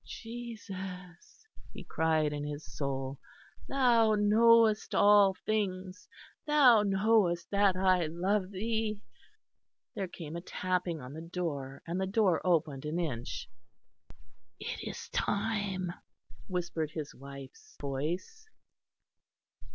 "Jesus," he cried in his soul, "Thou knowest all things; Thou knowest that I love Thee." There came a tapping on the door; and the door opened an inch. "It is time," whispered his wife's voice.